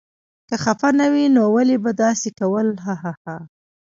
که خفه نه وې نو ولې به دې داسې کول هه.